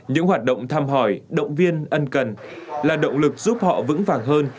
những hoạt động thăm hỏi động viên ân cần là động lực giúp họ vững vàng hơn